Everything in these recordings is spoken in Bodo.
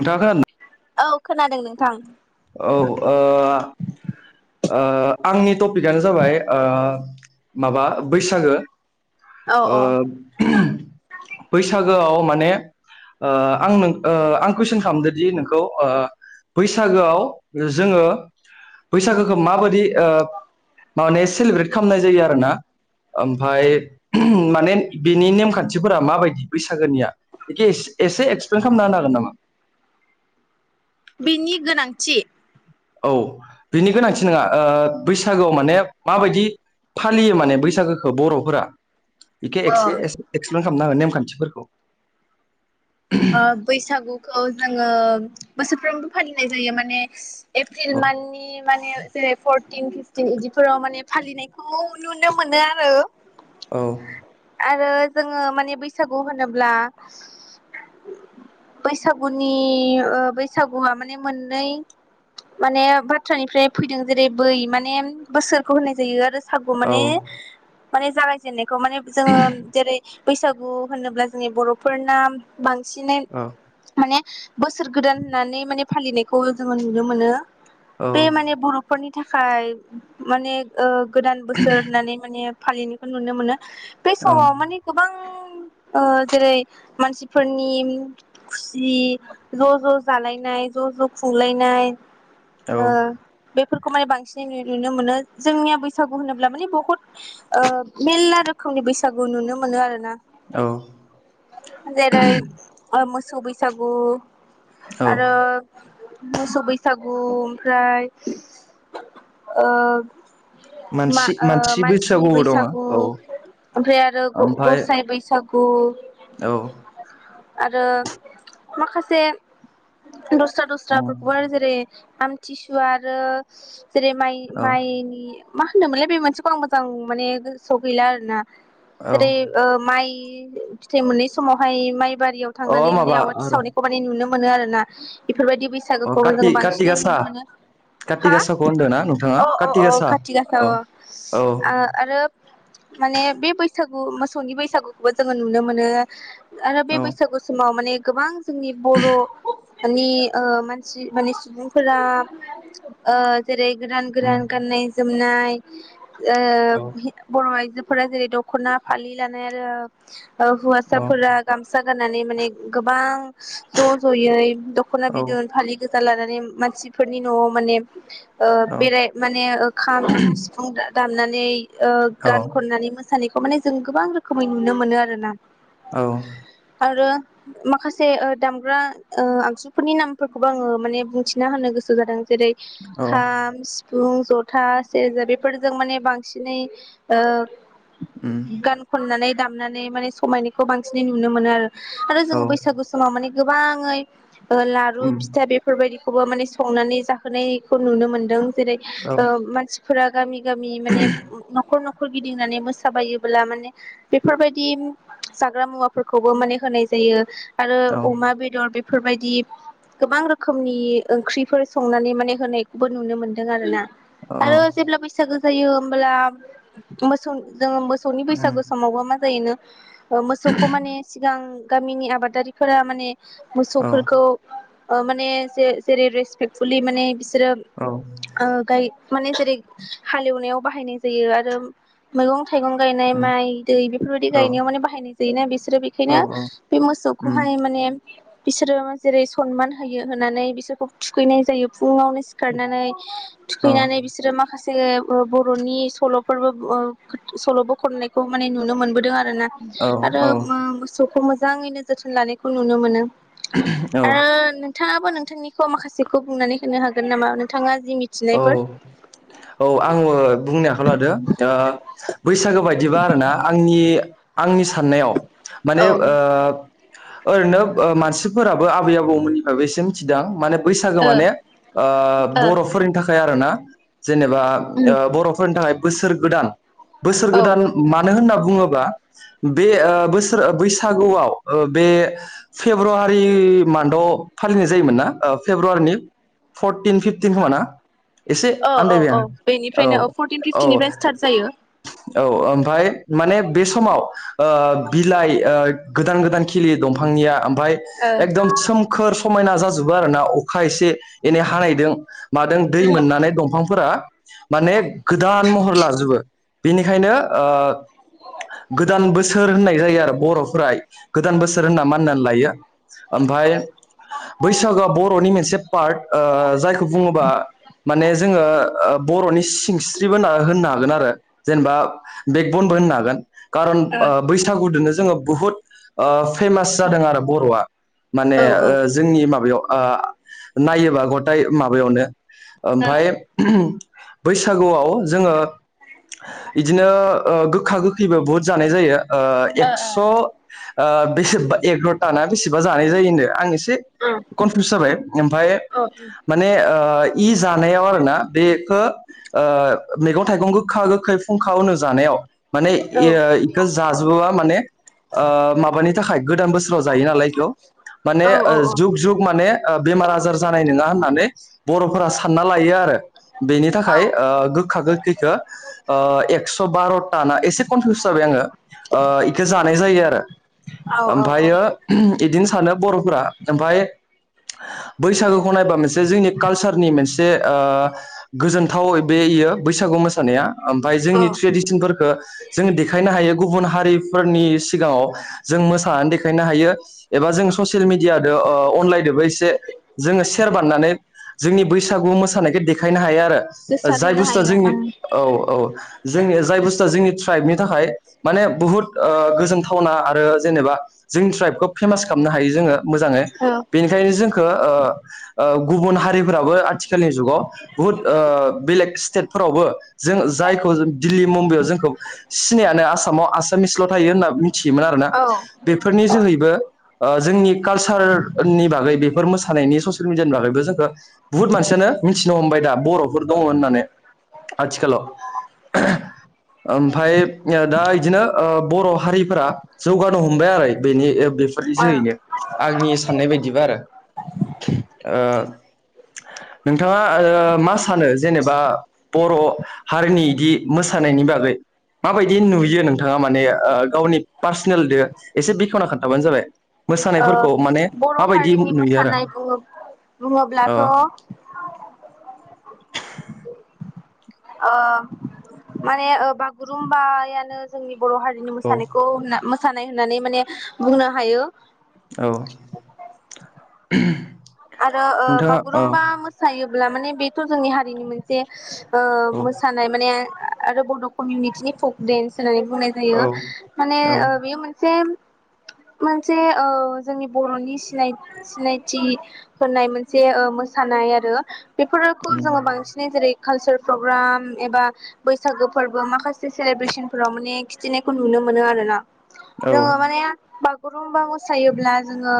नोंथांआ खोनादोंना? औ खोनादों नोंथां। औ ओ ओ आंनि टपिकआनो जाबाय माबा बैसागो। औ ओ औ बैसागोआव। माने ओ आं नों कुइसन खालामदोनि नोंखौ ओ बैसागोआव जोङो बैसागोखौ माबायदि ओ माने सेलेब्रेट खालामनाय जायो आरोना आमफ्राय। माने बिनि नेमखान्थिफोरा माबायदि बैसागोनिया बेखे एसे एक्सप्लेन खालामना होन हागोन नामा। बिनि गोनांथि। औ बिनि गोनांथि नङा ओ बैसागोआव माने माबायदि फालियो माने बैसागोखौ बर'फोरा। [unintelligible] ओ खालामना हो नेमखान्थिफोरखौ। ओ बैसागुखौ जोङो। बोसोरफ्रोमबो फालिनाय जायो माने। एप्रिल औ माननि माने जेरै फर टिन फिफटिन इदिफोराव माने फालिनायखौ नुनो मोनो आरो। औ। आरो जोङो माने बैसागु होनोब्ला बैसागुनि बैसागुआ माने मोननै माने बाथ्रानिफ्राय फैदों जेरै बै माने बोसोरखौ होननाय जायो आरो सागु औ माने माने जागाय जेननायखौ माने जोङो जेरै - बैसागु होनोब्ला जोंनि बर'फोरना बांसिनै माने बोसोर गोदान होननानै माने फालिनायखौ जोङो नुनो मोनो। बे माने बर'फोरनि थाखाय माने ओ गोदान बोसोर होननानै माने फालिनायखौ नुनो मोनो। बे औ समाव मानि गोबां ओ जेरै मानसिफोरनि खुसि ज' ज' जालायनाय ज' ज' खुंलायनाय औ ओ बे फोरखौ माय बांसिनै नुयो नुनो मोनो जोंनिया बैसागु होनोब्ला माने बुहुथ ओ मेरला रो खोमनि बैसागु नुनो मोनो आरो ना। औ जेरै ओ मोस सौ बैसागु औ आरो मोसौ बैसागु ओमफ्राय ओ मा मानसि ओ मानसि मानसिनि बैसोगुआव दङ बैसागु औ। ओमफ्राय आरो ओमफ्राय ग-गसाइ बैसागु औ आरो माखासे दस्रा उम दस्राफोरखौ हाय जेरै आमथिसुवा आरो जेरै माइ औ माइनि मा होनोमोनलाय बे मोनसेखौ आं मोजां माने गोसोआव गैला आरोना। औ जेरै ओ माइ फि-फिथाइ मोनै समावहाय माइ बारियाव अ थांनानै माने माबा आवाथि र' सावनायखौ माने नुनो मोनो आरोना। बे फोरबायदि अ बैसागोखौबो काति जो काति बांसिनै गासा नुनो मोनो। काति हा गासाखौ होनदों ना नोंथाङा अ अ काति अ गासा खाथि गासा औ औ अ आरो माने बैसागु मोसौनि बैसागुखौबो जोङो नुनो मोनो। आरो बे औ बैसागु समाव माने गोबां जोंनि बर' [unintelligible] ओ मान [unintelligible] सुबुंफोरा ओ जेरै गोदान उम गोदान गाननाय जोमनाय [unintelligible] ओ औ हि-बर' आइजो - फोरा जेरै दख'ना फालि लानाय आरो। औ हुवासा औ फोरा गामसा गाननानै माने गोबां ज' ज'यै दख'ना बिदन औ फालि गो जा लानानै मानसिफोरनि न'आव माने ओ बेराय माने ओ खाम जथा सिफुं दामनानै ओ औ गान खननानै मो सानायखौ माने जों गोबां रोखोमै नुनो मोनो आरो ना। औ आरो माखासे ओ दामग्रा ओ आगजुफोरनि नामफोरखौबो आङो माने बुंथिना होनो गोसो जादों। जेरै-खाम, सिफुं जथा, सेरजा बेफोरजों माने बांसिनै ओ। उम गान खन्नानै दामनानै माने समायनायखौ बांसिनै नुनो मोनो आरो। आरो औ जोङो बैसागु समाव माने गोबाङै ओ लारु उम फिथा बेफोरबायदि खौबो माने संनानै जाहोनायखौ नुनो मोन्दों। जेरै औ ओ मानसि फोरा गामि गामि माने न'खर न खर गिदिंनानै मोसा साबायोब्ला माने बेफोरबायदि जाग्रा मुवाफोरखौबो माने होनाय जायो। आरो औ अमा बेदर बे फोरबायदि गोबां रोखोमनि ओंख्रिफोर संनानै माने होनायखौबो नुनो मोनदों आरो ना। औ आरो जेब्ला बैसागो होयो होमब्ला मोसौ जोंङो मोसौ सौनि बैसागु उम समावबो मा जायो नो। ओ मोसौखौ माने सिगां। गामिनि आबादारिफोरा माने। औ मोसौफोरखौ। ओ माने जे-जेरै रेसपेक्फुलि माने बि। सोरो औ ओ गाय। माने जेरै हालेवनायाव बाहायनाय जायो आरो। मैगं। थाइगं गायनाय उम माइ दै बेफोरबायाददि औ गायनायाव माने बाहायनाय जायोना बिसोरो औ बेखायनो बे उम मोसौखौहाय माने। बिसोरो जेरै सनमान होयो होनानै बिसोरखौ थुखैनाय जायो। फुङावनो सिखारनानै औ थुखैनानै बिसोरो माखासे। बर'नि सल'फोरबो ओ। सल'बो खननायखौ माने नुनो मोनबोदों आ। रोना औ आरो ओमोसौखौ मो। मोजाङैनो जोथोन लानायखौ नुनो मोनो। औ ओ। नोंथाङाबो नोंथांनिखौ माखासेखौ बुंनानै होनो हागोन नामा नोंथाङा जि औ मिथिनायफोर औ औ आङो बुंनो आखायाव लादो दा। आ बैसागो बायदिबा आरोना आंनि आंनि साननायाव माने ओ। ओरैनो मानसिफोराबो आबै आबौ मोननिफ्रायबो एसे मिथिदों माने। बैसागो माने ओ ओ बर'फोरनि। थाखाय आरोना। जेनेबा उम ओ बर'फोरनि थाखाय। बोसोर गोदान। बोसोर औ गोदान मानो होनना। बुङोबा बे ओ बोसोर बैसागुआव ओ बे फेब्रुवारि मान्दाव फालिनाय जायोमोन ना फेब्रुवारिनि फरटिन फिफटिन खोमाना? औ औ औ औ बेनिफ्रायनो ओ फरटिन औ फिफटिनिफ्राय स्टार्ट जायो। औ ओमफ्राय। माने बे समाव ओ बिलाइ ओ। गोदान गोदान खिलियो दंफांनिया। एकदम सोमखोर समायना जा। जोबो आरो ना अखा एसे। एनै हानायदों मादों। दै मोननानै दंफांफोरा माने गोदान महर लाजुबो बेनिखायनो ओ गोदान बोसोर होननाय जायो आरो बर'फोरा गोदान बोसोर होनना मानिनानै लायो ओमफाय बैसागोआ बर'नि मोनसे पार्ट जायखौ बुंङोबा माने जोंङो बर'नि सि सिंस्रिबो होन्ना होनना हागोन आरो जेनेबा बेकबनबो होननो हागोन कारन ओ बैसागुदोनो जोंङो बुहुद ओ फेमास जादों आरो बर'आ माने ओ जोंनि माबायाव ओ नायोबा गटाय माबायावनो औ ओ ओमफाय बैसागुआव जोंङो इदिनो ओ गोखा गोखैबो बुहुत जानाय जायो एक्स ओ बेसेबा एकग्रटा ना बेसेबा जानाय जायो होनदो आं एसे से औ औ कनफिउस जाबाय ओमफाय औ माने ओ इ जानायाव आरोना बे खो ओ मैगं थाइगं गोखा गोखै फुंखा होनो जानायाव माने इयो इखो जाजुबाबा माने ओ माबानि थाखाय गोदान बोसोराव जायो नालाय इखौ माने ओ जुग जुग माने ओ बेमार आजार जानाय नोङा होननानै बर' फोरा सानना लायो आरो बेनि थाखाय ओ गोखा गोखैखो एक्स' बार'था ना एसे कनफिउस जाबाय आंङो इखौ जानाय जायो आरो औ औ ओमफ्रायो इदिनो सानो बर' फोरा ओमफाय बैसागोखौ नायबा मोनसे जोंनि कालचार नि मोनसे ओ गोजोनथाव बेयो बैसागु मोसानाया ओमफ्राय जोंनि औ ट्रेडिसेनफोरखो जों देखायनो हायो गुबुन हारि फोरनि सिगाङाव जों मोसानानै देखायनो हायो एबा जों ससेल मिडियादो ओ अनलाइदोबो एसे जोंङो सेयेर बानायनानै जोंनि बैसागु मोसानायखो देखायनो हायो जाय गोसारहोनो बुस्थु हायो जोंनि ओं औ औ जोंनि जाय बुु जोंनि ट्राइबनि थाखाय माने बुहुत ओ गोजोनथावना आरो जेनेबा जोंनि ट्राइब खौ फेमास खालामनो हायो जोङो मोजाङै औ बेनिखायनो जोंखौ ओ गुबुन हारि फोराबो आथि खालनि जुगाव बुहुट ओ बेलेग स्टेट फोरावबो जों जायखौ जों दिल्ली मुम्बाइआव जोंखौ सिनायानो आसामाव आसामिसल' थायो होनना मिथियोमोन आरोना औ ओ बेफोरनि जोहैबो ओ जोंनि कालसारनि बागै बेफोर मोसानायनि ससेल मिडियानि बागै बो जोंखौ बुहुत मानसियानो मिथि नो हमबाय दा बर'फोर दं होननानै आथिखालाव ओमफाय ओ दा इदिनो बर' हारिफोरा जौगानो हमबाय आरो बेनि ओ फोरनि जोहैनो आंनि साननाय बायदिबा आरो ओ नोंथाङा ओ मा सानो जेनेबा बर' हारिनि इदि मोसानायनि बागै माबायदि नुयो नोंथाङा माने ओ गावनि पार्सनेलदो एसे बेखेवना खोन्थाबानो जाबाय। ओ मोसानायफोरखौ माने बर' माबायदि हारिनि नुयो आरो मोसानाय बुङो अ बुङोब्लाथ' [inaudible] ओ माने ओ बागुरुमबायानो जोंनि बर' हारिनि औ मोसानायखौ सानाय होननानै माने बुंनो हायो। औ [inaudible] आरो ओ नोंथाङा औ बागुरुम्बा मोसायो ब्ला माने बेथ' जोंनि हारिनि मोनसे ओ औ मोसानाय माने आरो बड' कमिनिक्सनि फक डेन्स होनानै बुंनाय औ जायो। माने औ ओ बेयो मोनसे मोनसे ओ जोंनि बर'नि सिनाय सिनायथि होननाय मोनसे ओ मोसानाय आरो। बेफोरखौ उम जोङो बांसिनै जेरै कालसार प्रग्राम एबा बैसागो फोरबो माखासे सेलेब्रेसन फोराव माने खिथिनायखौ नुनो मोनो आरो ना। औ दङो माने बा गुरुमबा मोसायोब्ला जोङो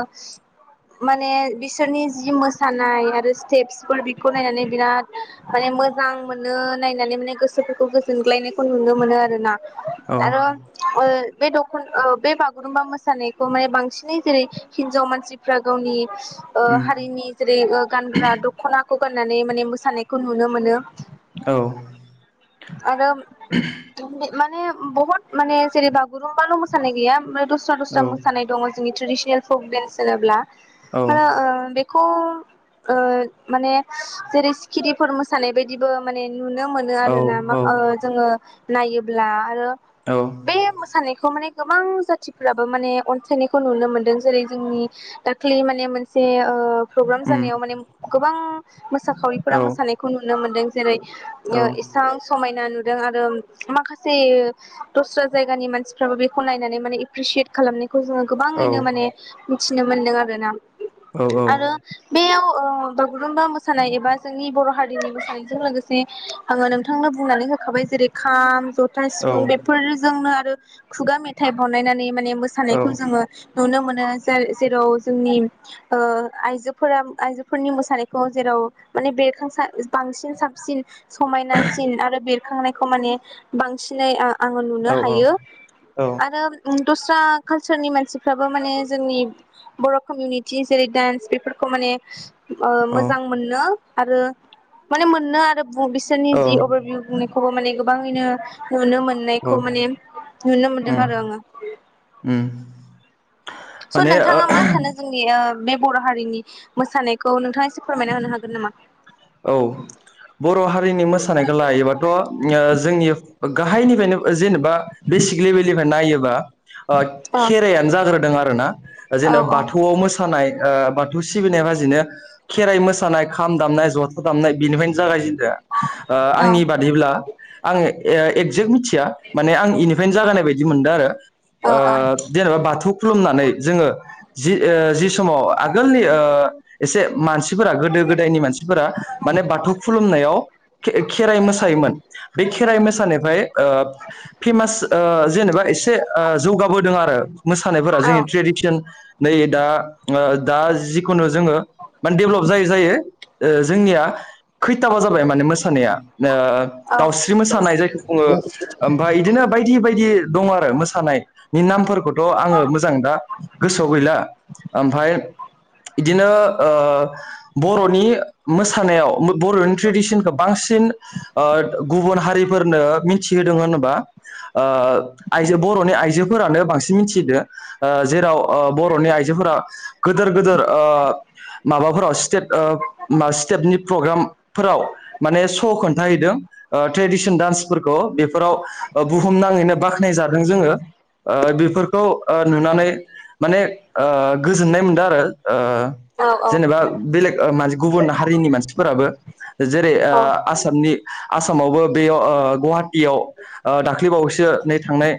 माने बि सोरनि जि मोसानाय आरो स्टेप्सफोर बिखौ नायनानै बिराद माने मोजां मोनो नायनानै माने गोसोफोरखौ गोजोनग्लायनायखौ नुनो मोनो आरो ना। औ आरो ओ बे दख' औ बे बागुरुम्बा मोसानायखौ माने बांसिनै जेरै हिनजाव मानसिफ्रा गावनि ओ उम हारिनि जेरै ओ गानग्रा दख'नाखौ गाननानै माने मोसानायखौ नुनो मोनो। औ आरो माने बहत माने जेरै बागुरुमबाल' मोसानाय गैया मो दस्रा दस्रा मोसानाय दंअ जोंनि ट्रेडिनेल फक देन्स होनोब्ला औ आरो ओ बेख खं ओ माने जेरै सिखिरिफोर मोसानाय बायदिबो माने नुनो मोनो औ आरो ना मा ओ जोङो नायोब्ला आरो औ बे मोसानायखौ माने गोबां जाथिफ्राबो माने अनसायनायखौ नुनो मोनदों जेरै जोंनि दाखलि माने मोन से ओ प्रग्राम उम जानायाव माने गोबां मोसाखावरिफोरा औ मोसानायखौ नुनो मोनदों जेरै औ यो इसां समायन ना नुदों आरो माखासे दस्रा जायगानि मानसिफ्राबो बेखौ नायनानै माने एप्रिसियेट खालामना खौ जोङो औ गोबाङैनो माने थिनो मोन्दों आरोना औ आरो बेयाव अ बागुरुम्बा मोसानाय एबा जोंनि बर' हारिनि मोसानायजों लोगोसे आङो नोंथांनो बुंनानै होखाबाय जेरै खाम जथ था सिफुं बेफोरजोंनो आरो खुगा मेथाइ बनायनानै माने मोसानायखौ जोङो नुनो मोनो जाय जेराव जोंनि ओ आइजोफोराम आइजोफोरनि मोसानायखौ जेराव माने बेरखांसा बांसिन साबसिन समायनासिन आरो बेर खांनायख' माने बांसिनै आ आङो नुनो हायो औ आरो उ दस्रा कालसारनि मानसिफ्राबो माने जोंनि बर' कमिउनिट जि जेरै डान्स बेफोरखौ माने ओ औ मोजां मोनो आरो माने मोननो आरो बु बिसोरनि औ जि अभारभिउ बुंनाय खौबो माने गोबाङैनो नुनो औ मोननायखौ माने नुनो मोनदों उम आरो आङो उम स' माने नोंथाङा मा ओ सानो जोंनि ओ बे बर' हारिनि मोसानायखौ नोंथाङा एसे फोरमायना होनो हागोन नामा औ बर' हारिनि मोसानायखौ लायोबाथ' ओ जोंनि गाहायनिफ्रायनो जेनेबा बेसिक लेभेलनिफाय नायोबा ओ औ खेराइयानो जाग्रोदों आरो ना ओ औ जेनबा औ बाथौआव मोसानाय ओ बाथौ सिबिनाया बाजिनो खेराइ मोसानाय खाम दामनाय ज था दामनाय बेनिफायनो जागायजेन ओ औ आंनि बादिब्ला आङो ए एक्जेक मिथि थिया माने आं इनिफायनो जागायनाय बाय दि मोनदों आरो। औ ओ जेनेबा बाथौ खुलुमनानै जोङो जि ओ जि समाव आगोलनि ओ एसे मानसि फोरा गोदो गोदायनि मानसिफोरा माने बाथौ खुलुमनायाव खे खेराइ मोसायोमोन बे खेराइ मोसानायफाय ओ फेमास ओ जेनेबा इस से ओ जौगाबोदों आरो मोसानायफोरा औ जोंनि ट्रेडिसोन नै दा ओ दा जिखुनु जोङो माने डेभेलप जायै जायै ओ जोंनिया खैथाबा जाबाय माने मोसानाया। ओ औ दाउस्रि मोसानाय जायखौ बुङो ओमफाय इदिनो बायदि बायदि। दं आरो मोसानायनि नामफोरखौथ' आङो मोजां दा गोसोआव गैला ओमफाय इदिनो ओ बर'नि मोसानायाव बर'नि ट्रेडिसोनखौ बांसिन ओ गुबुन हारि फोरनो मि थिहोदों होनोबा ओ आइजो बर'नि आइजोफोरानो बांसिन मिथिहोदो ओ जेराव ओ बर'नि आइजोफोरा गोदोर गोदोर ओ माबाफोराव स्टेट ओ मा स्टेपनि प्रग्रामफोराव माने स' खोन्थाहैदों ओ ट्रेडिसोन डान्सफोर खौ‌ बेफोराव ओ बुहुम नाङैनो बाख्नाय जादों जोङो ओ बेफोर खौ ओ नुनानै माने ओ गोजोननाय मोनदों आरो। ओ जेनेबा बेलेग ओ मानसि गुबुन हारिनि मानसिफोराबो [unintelligible] जेरै ओ आसामनि आसा आसामावबो बेयाव गुवाहाटियाव दाख्लैबावैसो नै थांनाय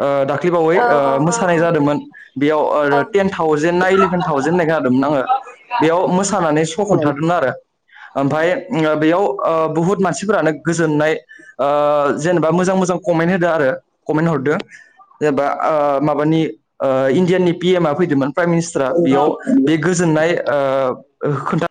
ओ दाख्लिबावै औ औ मोसानाय जादोंमोन ओ औ बेयाव औ टेन थावजेन ना इलेभेन थावजेन होननाय खोनादोंमोन आङो बेयाव मोसानानै [inaudible] आरो ओमफाय बेयाव बुहुत मानसिफोरानो गोजोननाय ओ जेनेबा मोजां मोजां कमेन्ट होदों आरो कमेन्ट हरदों जेनेबा माबानि इण्डियनि पि एम आ फैदोंमोन। प्राइ मिनिस्टारा बेयाव बे गोजोननाय ओ खोन